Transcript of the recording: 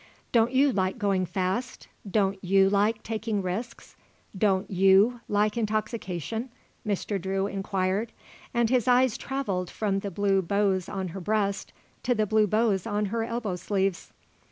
"Don't you like going fast? Don't you like taking risks? Don't you like intoxication?" Mr. Drew inquired, and his eyes travelled from the blue bows on her breast to the blue bows on her elbow sleeves.